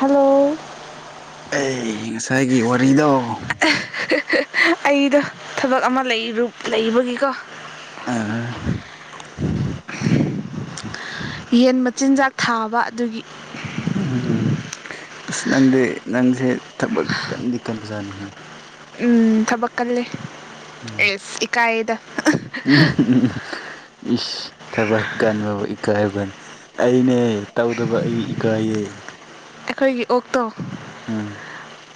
hello ꯑꯩ ꯉꯁꯥꯏꯒꯤ ꯋꯥꯔꯤꯗꯣ ꯑꯩꯗꯣ ꯊꯕꯛ ꯑꯃ ꯂꯩꯕꯒꯤꯀꯣ ꯑ ꯌꯦꯟ ꯃꯆꯤꯟꯖꯥꯛ ꯊꯥꯕ ꯑꯗꯨꯒꯤ ꯎꯝ ꯎꯝ ꯑꯁ ꯅꯪꯗꯤ ꯅꯪꯁꯦ ꯊꯕꯛ ꯀꯟꯗꯤ ꯀꯟꯕꯖꯥꯠꯅꯤꯍꯦ ꯎꯝ ꯊꯕꯛ ꯀꯜꯂꯦ ꯎꯝ ꯑꯦꯁ ꯏꯀꯥꯏꯗ ꯎꯝ ꯏꯁ ꯊꯕꯛ ꯀꯟꯕꯕꯨ ꯏꯀꯥꯏꯕ꯭ꯔꯅꯦ ꯑꯩꯅꯦ ꯇꯧꯗꯕ ꯑꯩ ꯏꯀꯥꯏꯌꯦ ꯑꯩꯈꯣꯏꯒꯤ ꯑꯣꯛꯇꯣ ꯎꯝ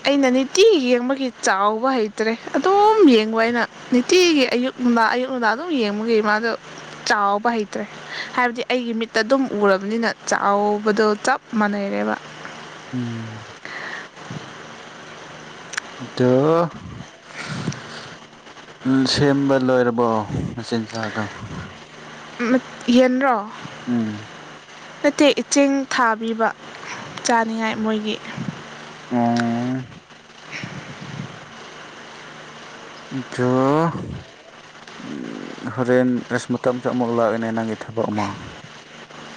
ꯑꯩꯅ ꯅꯤꯇꯤ ꯌꯦꯡꯕꯒꯤ ꯆꯥꯎꯕ ꯍꯩꯇ꯭ꯔꯦ ꯑꯗꯨꯝ ꯌꯦꯡꯕ ꯑꯩꯅ ꯅꯨꯡꯇꯤꯒꯤ ꯑꯌꯨꯛ ꯅꯨꯡꯗꯥ ꯑꯌꯨꯛꯅꯨꯡꯗꯥ ꯑꯗꯨꯝ ꯌꯦꯡꯕꯒꯤ ꯃꯥꯗꯣ ꯆꯥꯎꯕ ꯍꯩꯇ꯭ꯔꯦ ꯍꯥꯏꯕꯗꯤ ꯑꯩꯒꯤ ꯃꯤꯠ ꯇ ꯑꯗꯨꯝ ꯎꯔꯕꯅꯤꯅ ꯆꯥꯎꯕꯗꯣ ꯆꯞ ꯃꯥꯟꯅꯩꯔꯦꯕ ꯎꯝ ꯑꯠꯇ ꯎꯝ ꯁꯦꯝꯕ ꯂꯣꯏꯔꯕꯣ ꯃꯆꯤꯟꯖꯥꯛꯗꯣ ꯌꯦꯟ꯭ꯔꯣ ꯎꯝ ꯅꯠꯇꯦ ꯆꯦꯡ ꯊꯥꯕꯤꯕ ꯆꯥꯅꯤꯉꯥꯏ ꯃꯣꯏꯒꯤ ꯎꯝ ꯑꯆꯥꯣ ꯍꯣꯔꯦꯟ ꯔꯁꯃꯁꯨ ꯑꯃꯨꯛ ꯂꯥꯛꯏꯦꯅꯦ ꯅꯪꯒꯤ ꯊꯕꯛ ꯑꯃ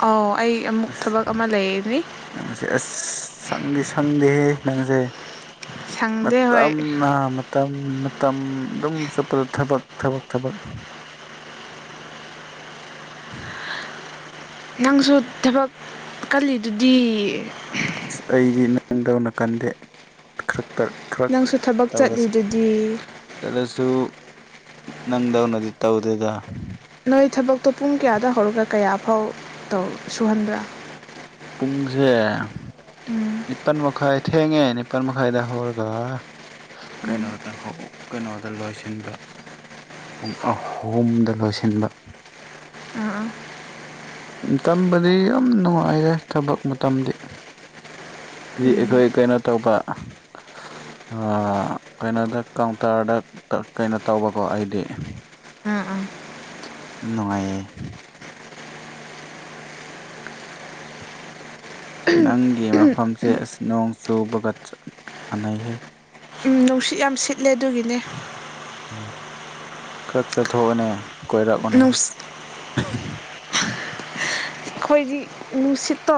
ꯑꯣ ꯑꯩ ꯑꯃꯨꯛ ꯑꯁ ꯊꯕꯛ ꯑꯃ ꯂꯩꯅꯤ ꯅꯪꯁꯦ ꯑꯁ ꯁꯪꯗꯤ ꯁꯪꯗꯦ ꯅꯪꯁꯦ ꯁꯪꯗꯦ ꯍꯣꯏ ꯃꯇꯝꯅ ꯃꯇꯝ ꯃꯇꯝ ꯑꯗꯨꯝ ꯆꯠꯄꯗ ꯊꯕꯛ ꯊꯕꯛ ꯊꯕꯛ [inaudible] ꯅꯪꯁꯨ ꯊꯕꯛ ꯀꯜꯂꯤꯗꯨꯗꯤ ꯑ ꯑꯩꯗꯤ ꯅꯪꯗꯧꯅ ꯈꯟꯗꯦ ꯈ ꯈꯔ ꯅꯪꯁꯨ ꯊꯕꯛ ꯇꯧꯔꯁꯨ ꯆꯠꯂꯤꯗꯨꯗꯤ ꯆꯠꯂꯁꯨ ꯅꯪꯗꯧꯅꯗꯤ ꯏ ꯇ ꯍꯧꯗꯦꯗ ꯅꯣꯏ ꯊꯕꯛꯇꯣ ꯄꯨꯡ ꯀꯌꯥꯗ ꯍꯧꯔꯒ ꯀꯌꯥꯐꯥꯎ ꯇꯧ ꯁꯨꯍꯟꯕ꯭ꯔꯥ ꯄꯨꯡꯨꯡꯁꯦ ꯎꯝ ꯅꯤꯄꯟ ꯃꯈ ꯏ ꯊꯦꯒꯦꯅꯤ ꯄꯃꯈꯥꯏꯗ ꯍꯔꯒ ꯀꯩꯅꯣꯗ ꯀꯩꯅꯣꯗ ꯂꯣꯏꯁꯤꯟꯕ ꯄꯨꯡ ꯑꯍꯨꯝꯗ ꯂꯣꯏꯁꯤꯟꯕ ꯑꯥ ꯑꯥ ꯎ ꯇꯝꯕꯗꯤ ꯌꯥꯝ ꯅꯨꯡꯉꯥꯏꯔꯦ ꯊꯕꯛ ꯃꯇꯝꯗꯤ ꯗꯤ ꯑꯩꯈꯣꯏ ꯀꯩꯅꯣ ꯇꯧꯕ ꯎꯝ ꯀꯩꯅꯣꯗ ꯀꯥꯎꯟꯇꯔꯗ ꯀꯩꯅꯣ ꯇꯧꯕꯀꯣ ꯑꯩꯗꯤ ꯑꯥ ꯑꯥ ꯏꯅꯨꯡꯉꯥꯏꯦ ꯅꯪꯒꯤ ꯃꯐꯝꯁꯦ ꯑꯁꯤ ꯅꯣꯡ ꯆꯨꯕꯒ ꯆꯞ ꯃꯥꯟꯅꯩꯍ ꯎꯝ ꯅꯨꯡꯁꯤꯠ ꯌꯥꯝ ꯁꯤꯠꯂꯦ ꯑꯗꯨꯒꯤꯅꯦ ꯎꯝ ꯈꯔ ꯆꯠꯊꯣꯛꯑꯅꯦ ꯀꯣꯏꯔꯛꯎꯅꯦ ꯅꯨꯡꯁꯤꯠ ꯑꯩꯈꯣꯏꯗꯤ ꯅꯨꯡꯁꯤꯠꯇꯣ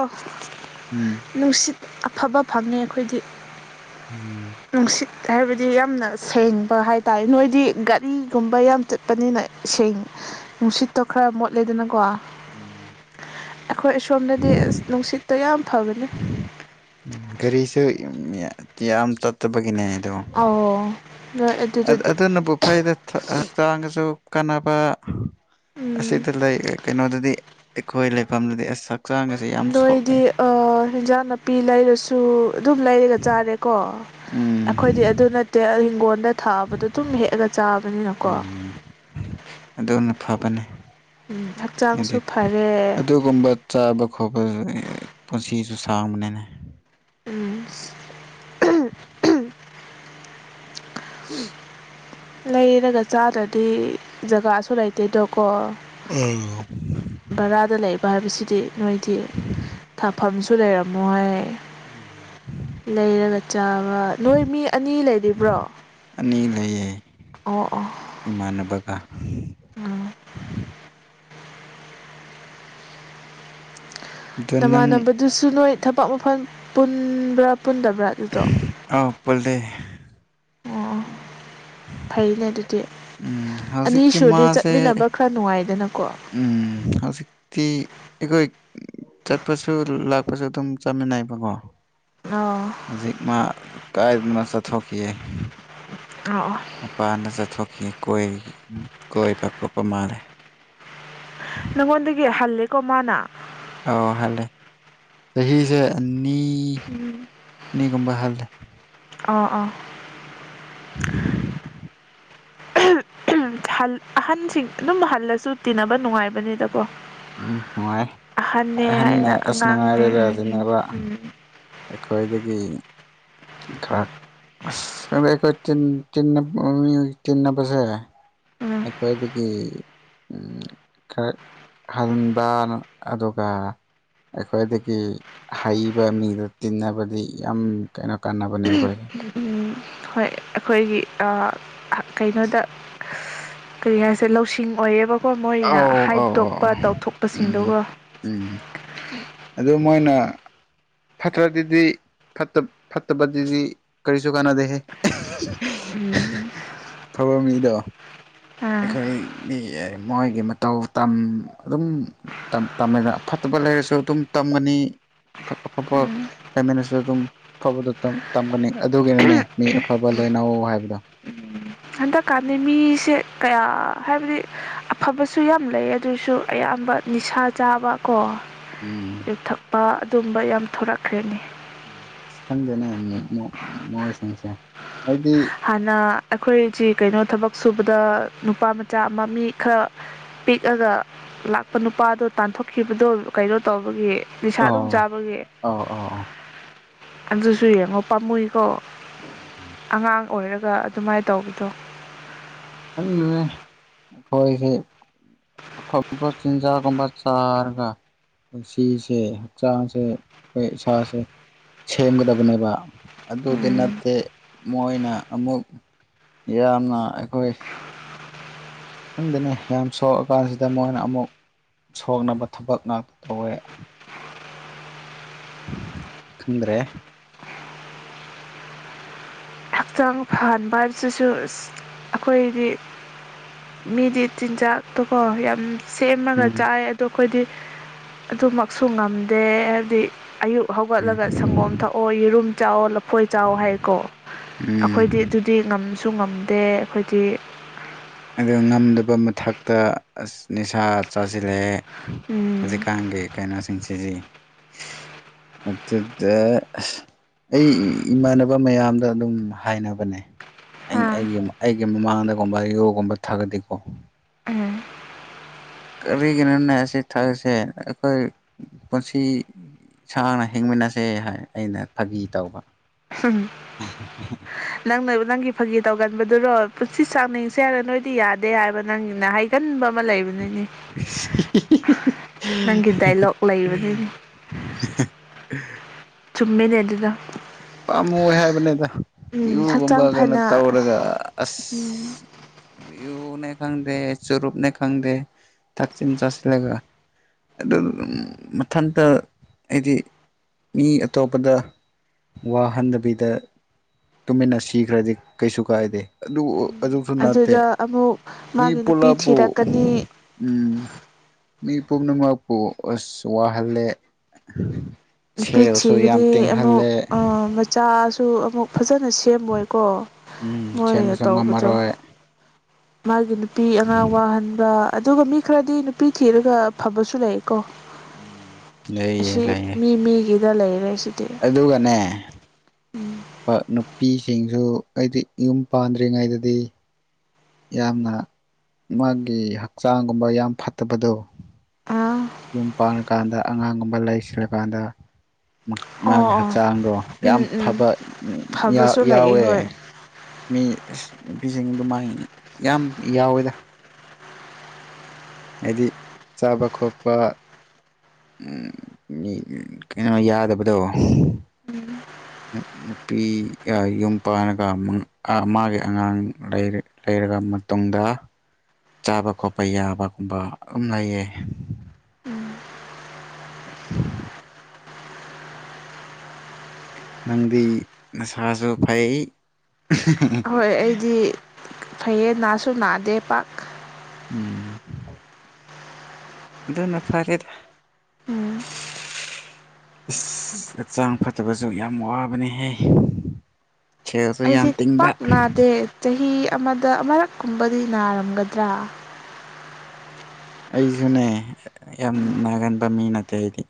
ꯎꯝ ꯅꯨꯡꯁꯤꯠ ꯑꯐꯕ ꯐꯪꯅꯤꯦ ꯑꯩꯈꯣꯏꯗꯤ ꯎꯝ ꯅꯨꯡꯁꯤꯠ ꯍꯥꯏꯕꯗꯤ ꯌꯥꯝꯅ ꯁꯦꯡꯕ ꯍꯥꯏ ꯇꯔꯦ ꯅꯣꯏꯗꯤ ꯒꯥꯔꯤꯒꯨꯝꯕ ꯌꯥꯝ ꯆꯠꯄꯅꯤꯅ ꯏꯦꯡ ꯅꯨꯡꯁꯤꯠꯇꯣ ꯈꯔ ꯃꯣꯠꯂꯦꯗꯅꯀꯣ ꯎꯝ ꯑꯩꯈꯣꯏ ꯑꯁꯣꯝꯅꯗꯤ ꯑꯁ ꯅꯨꯡꯁꯤꯠꯇꯣ ꯌꯥꯝ ꯐꯕꯅꯤ ꯝ ꯒꯥꯔꯤꯁꯨ ꯌꯥꯝ ꯇꯠꯇꯕꯒꯤꯅꯦ ꯑ ꯑꯗꯨꯅꯕꯨ ꯐꯩꯗ ꯍꯛꯆꯥꯡꯒꯁꯨ ꯀꯥꯟꯅꯕ ꯎꯝ ꯑꯁꯤꯗ ꯀꯩꯅꯣꯗꯗꯤ ꯑꯩꯈꯣꯏ ꯂꯩꯐꯝꯗꯗꯤ ꯑꯁꯛ ꯑꯗꯣꯗꯤ ꯏꯟꯖꯥꯡ ꯅꯥꯄꯤ ꯂꯩꯔꯁꯨ ꯑꯗꯨꯝ ꯂꯩꯔꯒ ꯆꯥꯔꯦꯀꯣ ꯑꯩꯈꯣꯏꯗꯤ ꯑꯗꯨ ꯎꯝ ꯅꯠꯇꯦ ꯍꯤꯡꯒꯣꯜꯗ ꯊꯥꯕꯗꯣ ꯑꯗꯨꯝ ꯍꯦꯛꯑꯒ ꯆꯥꯕꯅꯤ ꯎꯝ ꯑꯗꯨꯅ ꯐꯕꯅꯦ ꯎꯝ ꯍꯛꯆꯥꯡꯁꯨ ꯍꯥꯏꯗꯤ ꯐꯔꯦ ꯑꯗꯨꯒꯨꯝꯕ ꯆꯥꯕ ꯈꯣꯄ ꯄꯨꯟꯁꯤꯁꯨ ꯁꯥꯡꯕꯅꯤꯅ ꯎꯝ ꯂꯩꯔꯒ ꯆꯥꯗ꯭ꯔꯗꯤ ꯖꯒꯥꯁꯨ ꯂꯩꯇꯦꯗꯣ ꯀꯣ ꯎ ꯂꯩꯕ ꯍꯥꯏꯕꯁꯤꯗꯤ ꯅꯣꯏꯗꯤ ꯊꯥꯐꯝꯁꯨ ꯂꯩꯔꯝꯃꯣꯏ ꯎꯝ ꯍꯥꯏ ꯂꯩꯅꯦ ꯆꯥꯕ ꯅꯣꯏ ꯃꯤ ꯑꯅꯤ ꯂꯩꯔꯤꯕ꯭ꯔꯣ ꯑꯅꯤ ꯂꯩꯌꯦ ꯑꯣ ꯑꯣ ꯏꯃꯥꯟꯅꯕꯒ ꯎꯝ ꯑꯗꯣ ꯅꯪ ꯅꯃꯥꯟꯅꯕꯗꯨꯁꯨ ꯅꯣꯏ ꯊꯕꯛ ꯃꯐꯝ ꯄꯨꯟꯕ꯭ꯔꯥ ꯄꯨꯟꯗꯕ꯭ꯔꯥ ꯑꯗꯨꯗꯣ ꯑ ꯄꯨꯜꯂꯦ ꯑꯣ ꯐꯩꯅꯦ ꯑꯗꯨꯗꯤ ꯎꯝ ꯑꯅꯤ ꯍꯧꯖꯤꯛꯇꯤ ꯁꯗꯤ ꯃꯥꯁꯦ ꯆꯠꯃꯤꯟꯅꯕ ꯈꯔ ꯅꯨꯡꯉꯥꯏꯗꯅꯀꯣ ꯇꯤ ꯑꯩꯈꯣꯏ ꯆꯠꯄꯁꯨ ꯂꯥꯛꯄꯁꯨ ꯑꯗꯨꯝ ꯆꯥꯃꯤꯟꯅꯩꯕꯀꯣ ꯑꯣ ꯍꯧꯖꯤꯛ ꯃꯥ ꯀꯥꯏꯗꯅ ꯆꯠꯊꯣꯛꯈꯤꯑ ꯑꯣ ꯑꯣ ꯃꯄꯥꯟꯗ ꯆꯠꯊꯣꯛꯈꯤ ꯀꯣꯏꯕ ꯈꯣꯠꯄ ꯃꯥꯜꯂꯦ ꯀꯃꯅ ꯑꯣ ꯍꯥꯏꯂꯦ ꯆꯍꯤꯁꯦ ꯅꯤ ꯅꯤꯒꯨꯝꯕ ꯍꯜꯂꯦ ꯑꯣ ꯑꯥ [inaudible] ꯑꯍꯟꯁꯤꯡ ꯑꯗꯨꯝ ꯍꯜꯂꯁꯨ ꯇꯤꯟꯅꯕ ꯅꯨꯡꯉꯥꯏꯕꯅꯤꯗ ꯎꯝ ꯅꯨꯡꯉꯥꯏ ꯑꯍꯟꯅ ꯍꯥꯏꯅ ꯑꯁ ꯑꯉꯥꯡꯅꯦ ꯅꯨꯡꯉꯥꯏꯔꯁꯤꯅꯦꯕ ꯎꯝ ꯑꯩꯈꯣꯏꯗꯒꯤ ꯈꯔ ꯑꯩꯈꯣꯏ ꯕ ꯇꯤꯟꯅꯕꯁꯦ ꯎꯝ ꯑꯩꯈꯣꯏꯗꯒꯤ [inaudible] ꯈ ꯍꯟꯕ ꯑꯗꯨꯒ ꯑꯩꯈꯣꯏꯗꯒꯤ ꯍꯩꯕ ꯃꯤꯗꯨꯣ ꯇꯤꯟꯅꯕꯗꯤ ꯌꯥꯝ ꯀꯩꯅꯣ ꯀꯥꯟꯅꯕꯅꯦ ꯑꯩꯈꯣꯏ ꯎꯝ ꯍꯣꯏ ꯑꯩꯈꯣꯏꯒꯤ ꯀꯩꯅꯣꯗ ꯀꯔꯤ ꯍꯥꯏꯁꯦ ꯂꯧꯁꯤꯡ ꯑꯣꯏꯌꯦꯕ ꯃꯣꯏ ꯃꯣꯢꯅ ꯑꯧ ꯑꯧ ꯑꯧ ꯍꯥꯏꯗꯣꯛꯄ ꯑꯧ ꯎꯝ ꯇꯧꯊꯣꯛꯄꯁꯤꯡꯗꯨꯒ ꯎꯝ ꯑꯗꯨ ꯃꯣꯏꯅ [inaudible] ꯐꯠꯇ꯭ꯔ ꯑꯗꯨꯗꯤ ꯐꯠꯇ ꯐꯠꯇꯕ ꯑꯗꯨꯗꯤ ꯀꯔꯤꯁꯨ ꯀꯥꯟꯅꯗꯦꯍꯦ ꯎꯝ ꯎꯝ ꯑꯕ ꯃꯤꯗꯣ ꯑꯥ ꯑꯩꯈꯣꯏ ꯃꯤ ꯃꯣꯏꯒꯤ ꯃꯇꯧ ꯑꯗꯨꯝꯃꯦ ꯐꯠꯇꯕ ꯂꯩꯔꯁꯨ ꯑꯗꯨꯝ ꯇꯝꯒꯅꯤ ꯑꯐꯕ ꯂꯩꯥꯏꯃꯤꯟꯅꯁꯨ ꯑꯗꯨꯝ ꯑꯐꯕꯗ ꯇꯝꯒꯅꯤ ꯑꯗꯨꯒꯤꯅꯅꯦ ꯃꯤ ꯑꯐꯕ ꯀꯩꯅꯧ ꯍꯥꯏꯕꯗꯣ ꯍꯟꯗꯛꯀꯥꯟꯗꯤ ꯃꯤꯁꯦ ꯀꯌꯥ ꯍꯥꯏꯕꯗꯤ ꯑꯐꯕꯁꯨ ꯌꯥꯝ ꯂꯩ ꯑꯗꯨꯁꯨ ꯑꯌꯥꯝꯕ ꯅꯤꯁꯥ ꯆꯥꯕ ꯀꯣ ꯎꯝ ꯌꯨꯊꯛꯄ ꯑꯗꯨꯝꯕ ꯌꯥꯝ ꯊꯣꯔꯛꯈ꯭ꯔꯦꯅꯤ ꯎꯝ ꯑꯁ ꯈꯪꯗꯅꯦ ꯃꯣꯏꯁꯤꯡꯁꯦ ꯍꯥꯏꯗꯤ ꯍꯥꯟꯅ ꯑꯩꯈꯣꯏꯁꯤ ꯀꯩꯅꯣ ꯊꯕꯛ ꯁꯨꯕꯗ ꯅꯨꯄꯥ ꯃꯆꯥ ꯑꯃ ꯃꯤ ꯈꯔ ꯄꯤꯛꯑꯒ ꯂꯥꯛꯄ ꯅꯨꯄꯥꯗꯣ ꯇꯥꯟꯊꯣꯛꯈꯤꯕꯗꯣ ꯀꯩꯅꯣ ꯇꯧꯕꯒꯤ ꯅꯤꯁꯥ ꯑꯗꯨꯝ ꯑꯣ ꯆꯥꯕꯒꯤ ꯑꯣ ꯑꯣ ꯑꯣ ꯑꯗꯨꯁꯨ ꯌꯦꯡꯉꯣ ꯄꯥꯝꯃꯨꯏꯀꯣ ꯑꯉꯥꯡ ꯑꯣꯏꯔꯒ ꯑꯗꯨꯃꯥꯏꯅ ꯇꯧꯕꯗꯣ ꯑꯩꯈꯣꯏꯁꯦ ꯑꯐꯕ ꯆꯤꯟꯖꯥꯒꯨꯝꯕ ꯆꯥꯔꯒ ꯄꯨꯟꯁꯤꯁꯦ ꯍꯛꯆꯥꯡꯁꯦ ꯑꯩꯈꯣꯏ ꯏꯁꯥꯁꯦ ꯁꯦꯝꯒꯗꯕꯅꯦꯕ ꯑꯗꯨꯗꯤ ꯎꯝ ꯅꯠꯇꯦ ꯃꯣꯏꯅ ꯑꯃꯨꯛ ꯌꯥꯝꯅ ꯑꯩꯈꯣꯏ ꯑ ꯈꯪꯗꯅ ꯌꯥꯝ ꯁꯣꯛꯑꯀꯥꯟꯁꯤꯗ ꯃꯣꯏꯅ ꯑꯃꯨꯛ ꯁꯣꯛꯅꯕ ꯊꯕꯛ ꯉꯥꯛꯇ ꯇꯧꯋꯦ ꯈꯗ꯭ꯔꯦ ꯍꯛꯆꯥꯡ ꯐꯍꯟꯕ ꯍꯥꯏꯕꯁꯤꯁꯨ ꯑ ꯑꯩꯈꯣꯏꯗꯤ ꯃꯤꯗꯤ ꯆꯤꯟꯖꯥꯛꯇꯣꯀꯣ ꯌꯥꯝ ꯁꯦꯝꯃꯒ ꯎꯝ ꯆꯥꯏ ꯑꯗꯣ ꯑꯩꯈꯣꯏꯗꯤ ꯑꯗꯨꯃꯛꯁꯨ ꯉꯝꯗꯦ ꯍꯥꯏꯕꯗꯤ ꯑꯌꯨꯛ ꯎꯝ ꯍꯧꯒꯠꯂꯒ ꯁꯪꯒꯣꯝ ꯊꯛꯑꯣ ꯌꯦꯔꯨꯝ ꯆꯥꯎꯑꯣ ꯂꯐꯣꯏ ꯆꯥꯎ ꯍꯥꯏꯀꯣ ꯎꯝ ꯑꯩꯈꯣꯏꯗꯤ ꯑꯗꯨꯗꯤ ꯉꯝꯁꯨ ꯉꯝꯗꯦ ꯑꯩꯈꯣꯏꯗꯤ ꯑꯗꯨ ꯉꯝꯗꯕ ꯃꯊꯛꯇ ꯑꯁ ꯅꯤꯁꯥ ꯆꯥꯁꯤꯜꯂꯛꯑꯦ ꯎꯝ ꯍꯧꯖꯤꯛꯀꯥꯟꯒꯤ ꯀꯩꯅꯣꯁꯤꯡꯁꯤꯡꯁꯦ ꯃꯠꯇꯗ ꯑꯩ ꯏꯃꯥꯟꯅꯕ ꯃꯌꯥꯝꯗ ꯑꯗꯨꯝ ꯍꯥꯏꯅꯕꯅꯦ ꯑꯩ ꯑꯥ ꯑꯩꯒꯤ ꯑꯩꯒꯤ ꯃꯃꯥꯡꯗꯒꯨꯝꯕ ꯌꯣꯒꯨꯝꯕ ꯊꯥꯒꯗꯤꯀꯣ ꯎꯝ ꯀꯔꯤꯒꯤꯅꯣꯅꯦ ꯑꯁꯤ ꯊꯥꯛꯁꯦ ꯑꯩꯈꯣꯏ ꯄꯨꯟꯁꯤ ꯏꯁꯥꯡꯅ ꯍꯤꯡꯃꯤꯟꯅꯁꯦ ꯍꯥꯏ ꯑꯩꯅ ꯐꯥꯒꯤ ꯇꯧꯕ ꯎꯝ ꯅꯪꯅ ꯅꯪꯒꯤ ꯐꯥꯒꯤ ꯇꯧꯒꯟꯕꯗꯨꯔꯣ ꯄꯨꯟꯁꯤ ꯆꯥꯡꯅꯤꯡꯁꯦ ꯍꯥꯏꯔꯦ ꯅꯣꯏꯗꯤ ꯌꯥꯗꯦ ꯍꯥꯏꯕ ꯅꯪꯒꯤꯅ ꯍꯥꯏꯒ ꯃ ꯂꯩ ꯅꯪꯒꯤ ꯗꯥꯏꯂꯣꯛ ꯂꯩꯕꯅꯤꯅꯦ [unintelligible] ꯆꯨꯝꯃꯦ ꯂꯩꯗꯨꯗ ꯄꯥꯝꯃꯨ ꯍꯥꯏꯕꯅꯤꯗ ꯍꯛꯆꯥꯡ ꯏꯎꯒꯝꯕꯒꯩꯅ ꯐꯅ ꯇ ꯑꯣꯔꯒ ꯑꯁ ꯌꯎ ꯅ ꯈꯪꯗꯦ ꯆꯔꯨꯞ ꯅ ꯈꯪꯗꯦ ꯊꯥꯛꯆ ꯆꯁꯤꯂꯒ ꯑꯗꯨ ꯃꯊꯟꯇ ꯍꯥꯏꯗꯤ ꯃꯤ ꯑꯇꯣꯞꯄꯗ ꯋꯥꯍꯟꯗꯕꯤꯗ ꯇꯨꯃꯤꯟꯅ ꯁꯤꯈ꯭ꯔꯗꯤ ꯀꯩꯁꯨ ꯀꯥꯏꯗꯦ ꯑꯗꯨꯕꯨ ꯑꯗꯨꯁꯨ ꯅꯠꯇꯦ ꯑꯗꯨꯗ ꯑꯃꯨꯛ ꯃꯤ ꯃꯥꯒꯤ ꯅꯨꯄꯤ ꯄꯨꯂꯞꯄꯨ ꯊꯤꯔꯛꯀꯅꯤ ꯎꯝ ꯃꯤ ꯄꯨꯝꯅꯃꯛꯄꯨ ꯑꯁ ꯋꯥꯍꯜꯂꯦ ꯅꯨꯄꯤ ꯁꯦꯜꯁꯨ ꯌꯥꯝ ꯊꯤꯒꯅꯤ ꯑꯃꯨꯛ ꯇꯤꯡꯍꯜꯂꯦ ꯃꯆꯥꯁꯨ ꯑꯃꯨꯛ ꯐꯖꯅ ꯅ ꯁꯦꯝꯃꯣꯏꯀꯣ ꯎꯝ ꯃꯣꯏꯅ ꯁꯦꯝꯕꯁꯨ ꯇꯧꯕꯗꯣ ꯉꯝꯃꯔꯣꯏ ꯃꯥꯒꯤ ꯅꯨꯄꯤ ꯑꯉꯥꯡ ꯋꯥꯍꯟꯕ ꯑꯗꯨꯒ ꯃꯤ ꯈꯔꯗꯤ ꯅꯨꯄꯤ ꯊꯤꯔꯒ ꯐꯕꯁꯨ ꯂꯩ ꯎꯝ ꯂꯩ ꯂꯌꯦ ꯒꯤꯗ ꯂꯩꯔꯦꯁ ꯑꯗꯨꯒꯅꯦ ꯅꯨꯄꯥ ꯅꯨꯄꯤꯁꯤꯡꯁꯨ ꯑꯩꯗꯤ ꯌꯨꯝ ꯄꯥꯟꯗ꯭ꯔꯤꯉꯩꯗꯗꯤ ꯌꯥꯝꯅ ꯃꯥꯒꯤ ꯍꯛꯆꯥꯡꯒꯨꯝꯕ ꯌꯥꯝ ꯐꯠꯇꯕꯗꯣ ꯑꯥ ꯌꯨꯝ ꯄꯥꯟꯂꯀꯥꯟꯗ ꯑꯉꯥꯡꯒꯨꯝꯕ ꯂꯩꯁꯤꯜꯂꯀꯥꯟꯗ ꯑꯣ ꯃꯥꯒꯤ ꯑꯣ ꯍꯛꯆꯥꯡꯗꯣ ꯌꯥꯝ ꯎꯝ ꯎꯝ ꯐꯕ ꯐꯕꯁꯨ ꯂꯩꯑꯦ ꯌꯥꯎꯋꯦ ꯍꯣꯏ ꯃꯤ ꯅꯨꯄꯤꯁꯤꯡ ꯑꯗꯨꯃ ꯌꯥꯝ ꯌꯥꯎꯋꯦꯗ ꯍꯥꯏꯗꯤ ꯆꯥꯕ ꯈꯣꯠꯄ ꯎꯝ ꯀꯩꯅꯣ ꯌꯥꯗꯕꯗꯣ ꯅꯨꯄꯤꯒ ꯌꯨꯝ ꯄꯜꯂꯒ ꯑꯃꯒꯤ ꯑꯉꯥꯡ ꯂꯩꯔꯔꯕ ꯃꯇꯨꯡꯗ ꯆꯥꯕ ꯈꯣꯠꯄ ꯌꯥꯕꯒꯨꯝꯕ ꯑꯗꯨꯝ ꯂꯩꯌꯦ ꯅꯪꯗꯤ ꯅꯁꯥꯁꯨ ꯐꯩ ꯑꯍꯣꯏ ꯑꯩꯗꯤ ꯐꯩꯌꯦ ꯅꯥꯁꯨ ꯅꯥꯗꯦ ꯄꯥꯛ ꯎꯝ ꯑꯗꯨꯅ ꯐꯔꯦꯗ ꯎꯝ ꯏꯁ ꯍꯛꯆꯥꯡ ꯐꯠꯇꯕꯁꯨ ꯌꯥꯝ ꯋꯥꯕꯅꯤꯍ ꯑꯩꯁꯦ ꯄꯥꯛ ꯅꯥꯗꯦ ꯆꯍꯤ ꯑꯃꯗ ꯑꯃꯛꯀꯨꯝꯕꯗꯤ ꯅꯥꯔꯝꯒꯗ꯭ꯔꯥ ꯑꯩꯁꯨꯅꯦ ꯌꯥꯝ ꯅꯥꯒꯟꯕ ꯃꯤ ꯅꯠꯇꯦ ꯑꯩꯗꯤ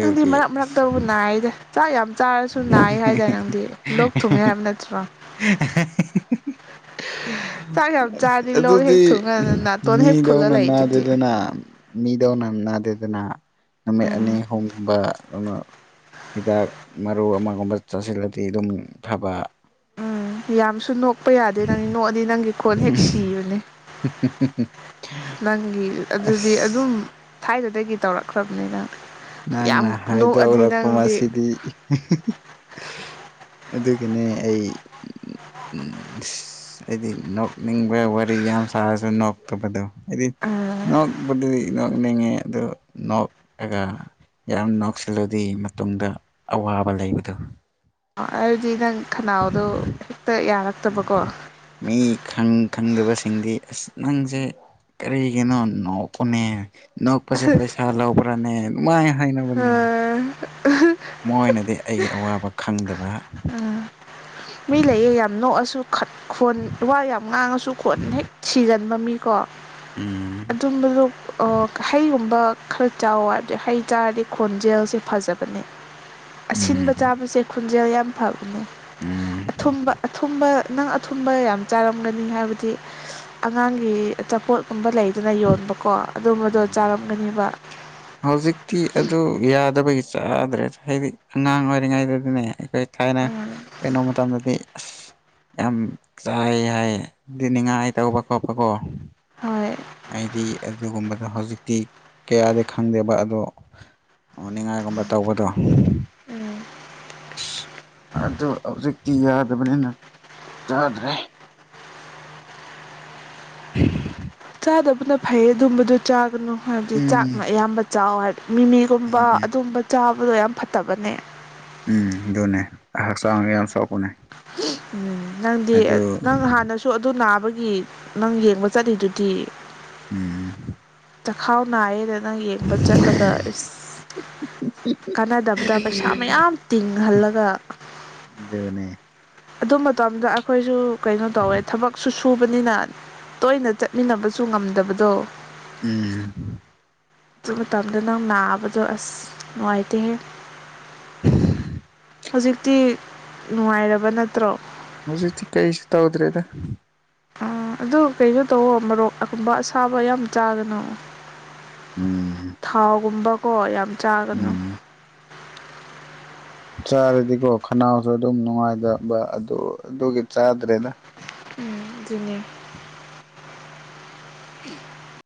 ꯅꯪꯗꯤ ꯃꯔꯛ ꯑꯁ ꯃꯔꯛꯇꯕꯨ ꯅꯥꯏꯗ ꯆꯥꯛ ꯌꯥꯝ ꯆꯥꯔꯁꯨ ꯅꯥꯏ ꯍꯥꯏꯇꯥꯔꯦ ꯅꯪꯗꯤ ꯂꯣꯛ ꯊꯨꯡꯉꯦ ꯍꯥꯏꯕ ꯅꯠꯇ꯭ꯔꯣ ꯆꯥꯛ ꯌꯥꯝ ꯆꯥꯔꯗꯤ [unintelligible] ꯂꯣꯛ ꯍꯦꯛ ꯑꯗꯨꯗꯤ ꯊꯨꯡꯉꯒ ꯅꯥꯇꯣꯟ ꯍꯦꯛ ꯐꯨꯜꯂ ꯃꯤꯗꯧꯅ ꯂꯩꯗꯨꯗꯤ ꯅꯥꯗꯦꯗꯅ ꯃꯤꯗꯧꯅ ꯅꯥꯗꯦꯗꯅ ꯅꯨꯃꯤꯠ ꯑꯅꯤ ꯎꯝ ꯑꯍꯨꯝꯒꯨꯝꯕ ꯍꯤꯗꯥꯛ ꯃꯔꯨ ꯑꯃꯒꯨꯝꯕ ꯆꯥꯁꯤꯜꯂꯗꯤ ꯑꯗꯨꯝ ꯐꯕ ꯌꯥꯝꯁꯨ ꯅꯣꯛꯄ ꯌꯥꯗꯦ ꯅꯪ ꯅꯣꯛꯑꯗꯤ ꯅꯪꯒꯤ ꯈꯣꯟ ꯍꯦꯛ ꯁꯤꯕꯅꯦ ꯅꯪꯒꯤ ꯑꯗꯨꯗꯤ ꯑꯗꯨꯝ ꯑꯁ ꯊꯥꯏꯅꯗꯒꯤ ꯇꯧꯔꯛꯈ꯭ꯔꯕꯅꯤꯅ ꯅꯪꯅ ꯍꯥꯏꯗ ꯑꯣꯔꯀꯝ ꯑꯁꯤꯁꯤꯗꯤ ꯑꯗꯨꯒꯤꯅꯦ ꯑꯩ ꯎꯝ ꯍꯥꯏꯗꯤ ꯅꯣꯛꯅꯤꯡꯕ ꯋꯥꯔꯤ ꯌꯥꯝ ꯁꯥꯔꯁꯨ ꯅꯣꯛꯇꯕꯗꯣ ꯍꯥꯏꯗꯤ ꯑ ꯅꯣꯛ ꯗꯤ ꯅ ꯅꯉꯦ ꯑꯗꯨꯗ ꯅꯣꯛ ꯑꯦꯥ ꯌꯥꯝ ꯅꯣꯛꯁꯤꯜꯂꯗꯤ ꯃꯇꯨꯡꯗ ꯑꯋꯥꯕ ꯂꯩꯕꯗꯨꯣ ꯑꯗꯨꯗꯤ ꯅꯪ ꯈꯅꯥꯎꯗꯣ ꯍꯦꯛꯇ ꯎꯝ ꯌꯥꯔꯛꯇꯕꯀꯣ ꯃꯤ ꯈꯪꯗꯕꯁꯤꯡꯗꯤ ꯑꯁ ꯅꯪꯁꯦ ꯀꯔꯤꯒꯤꯅꯣ ꯅꯣꯛꯄꯅꯦ ꯅꯣꯛꯄꯁꯦ ꯄꯩꯁꯥ ꯂꯧꯕ꯭ꯔꯅꯦ ꯃꯥꯏ ꯍꯥꯏꯅꯕꯅꯦ ꯃꯣꯏꯅꯗꯤ ꯑꯩꯒꯤ ꯑꯋꯥꯕ ꯈꯪꯗꯕ ꯃꯤ ꯂꯩꯌꯦ ꯌꯥꯝ ꯅꯣꯛꯑꯁꯨ ꯈꯣꯟ ꯋꯥ ꯌꯥꯝ ꯉꯥꯡꯉꯁꯨ ꯈꯣꯟ ꯍꯦꯛ ꯁꯤꯒꯅꯤ ꯃꯃꯤꯀꯣ ꯎꯝ ꯑꯗꯨꯝꯕꯗꯨꯣ ꯍꯩꯒꯨꯝꯕ ꯈꯔ ꯆꯥꯎꯋꯕꯗꯤ ꯍꯩ ꯆꯥꯔꯗꯤ ꯈꯣꯟꯖꯦꯜꯁꯦ ꯐꯖꯕꯅꯦ ꯑꯁꯤꯟꯕ ꯎꯝ ꯆꯥꯕꯁꯦ ꯈꯣꯟꯖꯦꯜ ꯌꯥꯝ ꯐꯕꯅꯦ ꯎꯝ ꯑꯊꯨꯝꯕ ꯑꯊꯨꯝꯕ ꯅꯪ ꯑꯊꯨꯝꯕ ꯌꯥꯝ ꯆꯥꯔꯝꯒꯅꯤ ꯍꯥꯏꯕꯗꯤ ꯑꯉꯥꯡꯒꯤ ꯑꯆꯥꯄꯣꯠꯀꯨꯝꯕ ꯂꯩꯗꯅ ꯌꯣꯟꯕꯀꯣ ꯑꯗꯨꯝꯕꯗꯣ ꯎꯝ ꯆꯥꯔꯝꯒꯅꯤꯕ ꯍꯧꯖꯤꯛꯇꯤ ꯑꯗꯨ ꯌꯥꯗꯕꯒꯤ ꯆꯥꯗ꯭ꯔꯦ ꯍꯥꯏꯗꯤ ꯑꯉꯥꯡ ꯑꯣꯏꯔꯤꯉꯩꯗꯗꯤꯅꯦ ꯑꯩꯈꯣꯏ ꯊꯥꯏꯅ ꯀꯩꯅꯣ ꯃꯇꯝꯗꯗꯤ ꯑꯁ [inaudible] ꯌꯥꯝ ꯆꯥꯏ ꯍꯥꯏ ꯅꯤꯡꯉꯥꯏ ꯇꯧꯕ ꯈꯣꯠꯄ ꯀꯣ ꯍꯣꯏ ꯍꯥꯏꯗꯤ ꯑꯗꯨꯒꯨꯝꯕꯗꯣ ꯍꯧꯖꯤꯛꯇꯤ ꯀꯌꯥꯗ ꯈꯪꯗꯦꯕ ꯑꯗꯣ ꯅꯤꯡꯉꯥꯏꯒꯨꯝꯕ ꯇꯧꯕꯗꯣ ꯎꯝ ꯑꯁ ꯑꯗꯨ ꯍꯧꯖꯤꯛꯇꯤ ꯌꯥꯗꯕꯅꯤꯅ ꯆꯥꯗ꯭ꯔꯦ [unintelligible] [unintelligible] ꯆꯥꯗꯕꯅ ꯐꯩ ꯑꯗꯨꯝꯕꯗꯨ ꯆꯥꯒꯅꯨ ꯍꯥꯏꯕꯗꯤ ꯆꯥꯛꯅ ꯎꯝ ꯑꯌꯥꯝꯕ ꯆꯥꯎ ꯍꯥꯏꯕꯗꯤ ꯃꯤꯃꯤꯒꯨꯝꯕ ꯎꯝ ꯑꯗꯨꯒꯨꯝꯕ ꯆꯥꯕꯗꯣ ꯌꯥꯝ ꯐꯠꯇꯕꯅꯦ ꯎꯝ ꯑꯗꯨꯅꯦ ꯍꯛꯆꯥꯡꯒ ꯌꯥꯝ ꯆꯥꯎꯣꯛꯄꯅꯦ ꯎꯝ ꯅꯪꯗꯤ ꯅꯪ ꯍꯥꯟꯅꯁꯨ ꯑꯗꯨ ꯅꯥꯕꯒꯤ ꯅꯪ ꯌꯦꯡꯕ ꯆꯠꯂꯤꯗꯨꯗꯤ ꯎꯝ ꯆꯈꯥꯎ ꯅꯥꯏꯌꯦꯦꯗ ꯅꯪ ꯌꯦꯡꯕ ꯆꯠꯂꯒ ꯏꯁ ꯀꯥꯟꯅꯗꯕꯗ ꯄꯩꯁꯥ ꯃꯌꯥꯝ ꯇꯤꯡꯍꯜꯂꯒ ꯑꯗꯨꯅꯦ ꯑꯗꯨ ꯃꯇꯝꯗ ꯑꯩꯈꯣꯏꯁꯨ ꯀꯩꯅꯣ ꯇꯧꯋꯦ ꯊꯕꯛ ꯁꯨ ꯊꯨꯕꯅꯤꯅ ꯇꯣꯏꯅ ꯆꯠꯃꯤꯟꯅꯕꯁꯨ ꯉꯝꯗꯕꯗꯣ ꯎꯝ ꯑꯗꯨ ꯃꯇꯝꯗ ꯅꯪ ꯅꯥꯕꯗꯣ ꯑꯁ ꯅꯨꯡꯉꯥꯏꯇꯦꯍꯦ [inaudible] ꯍꯧꯖꯤꯛꯇꯤ ꯅꯨꯡꯉꯥꯏꯔꯕ ꯅꯠꯇ꯭ꯔꯣ ꯍꯧꯖꯤꯛꯇꯤ ꯀꯩꯁꯨ ꯇꯧꯗ꯭ꯔꯦꯗ ꯑꯥ ꯑꯗꯨ ꯀꯩꯅꯣ ꯇꯧꯋ ꯃꯔꯣꯔꯣꯛ ꯑꯀꯨꯝꯕ ꯑꯁꯥꯕ ꯌꯥꯝ ꯆꯥꯗꯅꯣ ꯎꯝ ꯊꯥꯎꯒꯨꯝꯕꯀꯣ ꯌꯥꯝ ꯆꯥꯒꯅꯨ ꯎꯝ ꯆꯥꯔꯗꯤꯀꯣ ꯈꯅꯥꯎꯁꯨ ꯑꯗꯨꯝ ꯅꯨꯡꯉꯥꯏꯗꯕ ꯑꯗꯨ ꯑꯗꯨꯒꯤ ꯆꯥꯗ꯭ꯔꯦꯗ ꯎꯝ ꯑꯗꯨꯅꯦ [inaudible]